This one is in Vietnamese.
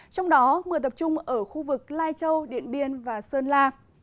trong đó mưa tập trung ở khu vực lai châu điện biên và sơn la